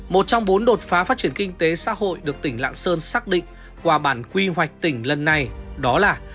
một trong bốn đột phá phát triển kinh tế xã hội được tỉnh lạng sơn xác định qua bản quy hoạch tỉnh lần này đó là